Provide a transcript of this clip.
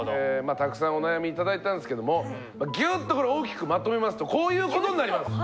たくさんお悩み頂いたんですけどもぎゅっとこれ大きくまとめますとこういうことになります。